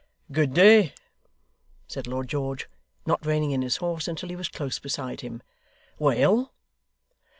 'Good day!' said Lord George, not reining in his horse until he was close beside him. 'Well!